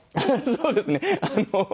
そうですね。